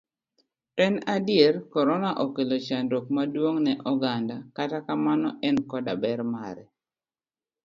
En adier, korona okelo chandruok maduong' ne oganda, kata kamano, en koda ber mare.